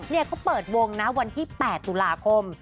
เขาเปิดวงนะวันที่๘ตุลาคม